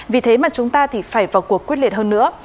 vì thế mà chúng ta thì phải vào cuộc quyết liệt hơn nữa